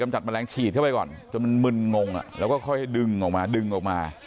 จนมันมึนงงแล้วก็ค่อยดึงออกมาดึงออกมา